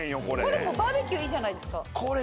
これバーベキューいいじゃないですか。